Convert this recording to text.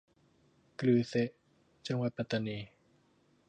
กรือเซะ - จังหวัดปัตตานี